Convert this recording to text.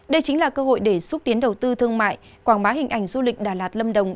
đây chính là cơ hội để xúc tiến đầu tư thương mại quảng bá hình ảnh du lịch đà lạt lâm đồng